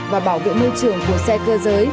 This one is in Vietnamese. và bảo vệ môi trường của xe cơ giới